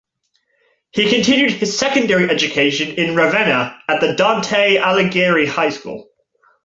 He continued his secondary education in Ravenna at the Dante Alighieri High School.